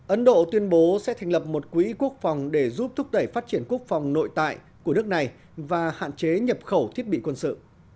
ấn độ tuyên bố sẽ thành lập một quỹ quốc phòng để giúp thúc đẩy phát triển quốc phòng nội tại của nước này và hạn chế nhập khẩu thiết bị quân sự